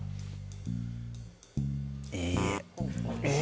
いいえ。